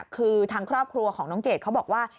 คือทางครอบครัวของน้องเกดเขาบอกว่า